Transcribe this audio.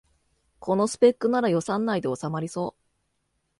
このスペックなら予算内でおさまりそう